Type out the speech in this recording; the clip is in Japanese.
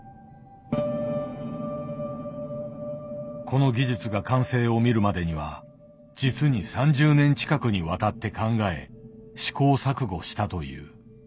この技術が完成を見るまでには実に３０年近くにわたって考え試行錯誤したという。